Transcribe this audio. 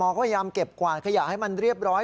ก็พยายามเก็บกวาดขยะให้มันเรียบร้อย